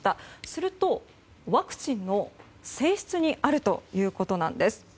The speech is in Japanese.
すると、ワクチンの性質にあるということなんです。